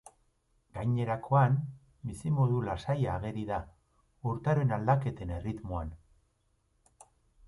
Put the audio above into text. Gainerakoan, bizimodu lasaia ageri da, urtaroen aldaketen erritmoan.